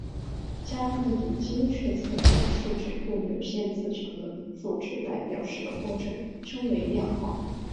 将一组精确测量的数值用有限字长的数值来表示的过程称为量化。